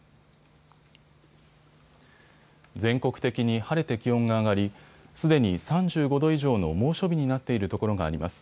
全国的に晴れて気温が上がりすでに３５度以上の猛暑日になっているところがあります。